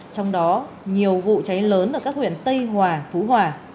trong đó nhiều vụ cháy lớn ở các huyện tây hòa phú hòa